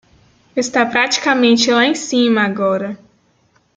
Está praticamente lá em cima agora.